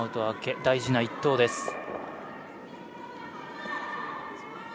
明け大事な一投です。